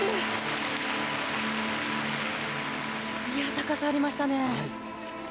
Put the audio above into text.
高さがありましたね。